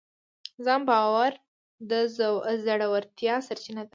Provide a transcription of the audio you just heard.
ځان باور د زړورتیا سرچینه ده.